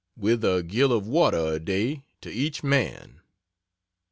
with a gill of water a day to each man.